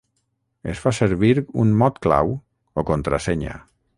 Es fa servir un mot-clau, o contrasenya.